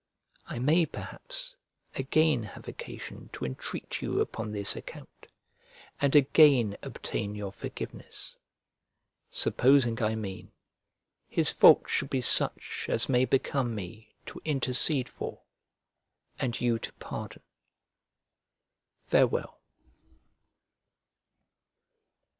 I may perhaps, again have occasion to entreat you upon this account, and again obtain your forgiveness; supposing, I mean, his fault should be such as may become me to intercede for, and you to pardon. Farewell.